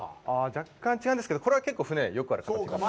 若干違うんですけど、これは結構船、よくある形です。